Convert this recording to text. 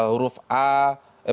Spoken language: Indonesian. huruf a b dan c